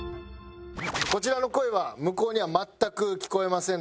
こちらの声は向こうには全く聞こえませんので。